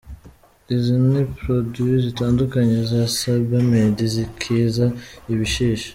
Izi ni produits zitandukanye za Sebamed zikiza ibishishi.